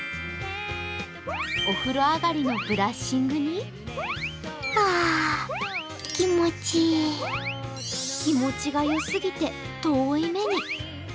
お風呂上がりのブラッシングに気持ちがよすぎて遠い目に。